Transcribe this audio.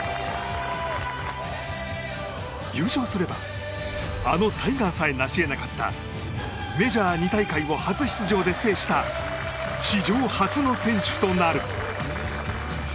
優勝すればあのタイガーさえなし得なかったメジャー２大会を初出場で制した史上初の選手となる。